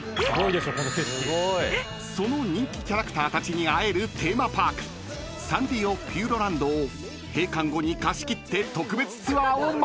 ［その人気キャラクターたちに会えるテーマパークサンリオピューロランドを閉館後に貸し切って特別ツアーを満喫！］